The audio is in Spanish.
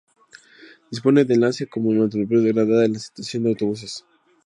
Dispone de enlace con el Metropolitano de Granada en la estación de autobuses.